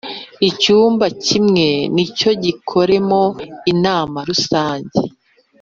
icyumba kimwe nicyo gikoremo inama rusange